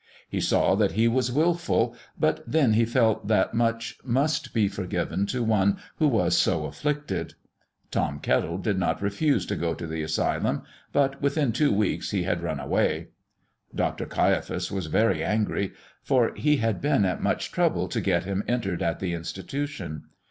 He saw that he was wilful, but then he felt that much must be forgiven to one who was so afflicted. Tom Kettle did not refuse to go to the asylum, but within two weeks he had run away. Dr. Caiaphas was very angry, for he had been at much trouble to get him entered at the institution.